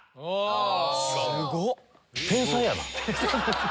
すごっ！